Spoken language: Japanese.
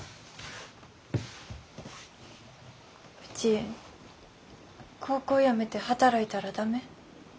うち高校やめて働いたら駄目？